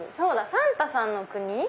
サンタさんの国。